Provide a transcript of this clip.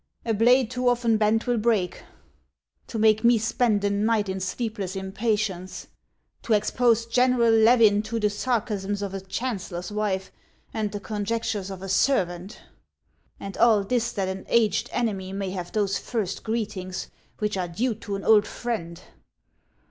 A blade too often bent will break. To make me spend a night in sleepless impatience ! To expose General Levin to the sarcasms of a chancellor's wife and the conjectures of a servant ! And all this that an aged enemy may have those first greetings which are due to an old friend